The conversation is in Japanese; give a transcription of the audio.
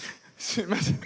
すいません